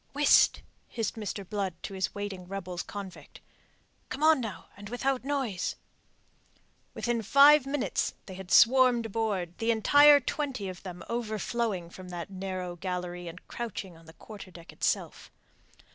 "Whist!" hissed Mr. Blood to his waiting rebels convict. "Come on, now, and without noise." Within five minutes they had swarmed aboard, the entire twenty of them overflowing from that narrow gallery and crouching on the quarter deck itself.